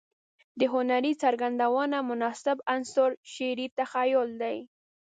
د هنري څرګندونو مناسب عنصر شعري تخيل دى.